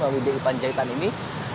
melalui di itanjaitan ini